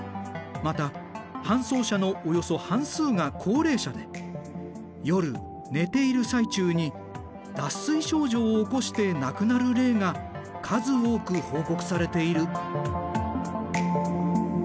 また搬送者のおよそ半数が高齢者で夜寝ている最中に脱水症状を起こして亡くなる例が数多く報告されている。